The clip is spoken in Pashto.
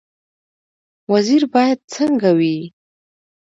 وزیر باید څنګه وي؟